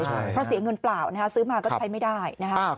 เพราะเสียเงินเปล่านะฮะซื้อมาก็ใช้ไม่ได้นะฮะ